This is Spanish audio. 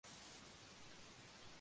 Su capital es la ciudad de Komárno.